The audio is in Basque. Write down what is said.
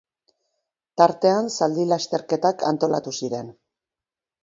Tartean zaldi lasterketak antolatu ziren.